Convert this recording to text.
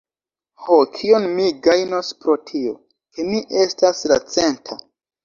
Ho, kion mi gajnos pro tio, ke mi estas la centa?